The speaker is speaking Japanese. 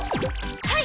はい！